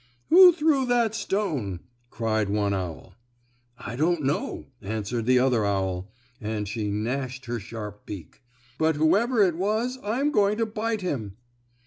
"Who threw that stone?" cried one owl. "I don't know," answered the other owl, and she gnashed her sharp beak, "but whoever it was I'm going to bite him!"